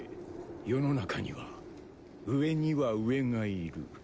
世の中には上には上がいる。